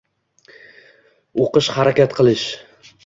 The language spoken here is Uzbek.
O`qish harakat qilish